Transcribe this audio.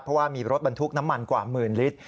เพราะว่ามีรถบรรทุกน้ำมันกว่าหมื่นลิตร